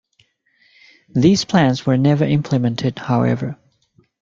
These plans were never implemented, however.